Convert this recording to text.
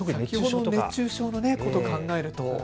熱中症のことを考えるとね。